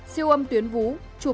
siêu âm tuyến vú trục nhũa